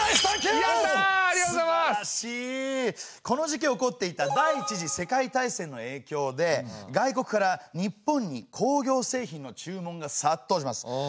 この時期起こっていた第一次世界大戦のえいきょうで外国から日本に工業製品の注文が殺到します。